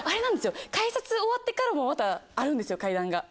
改札終わってからもまたあるんですよ階段が。